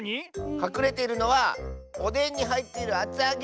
かくれているのはおでんにはいっているあつあげ！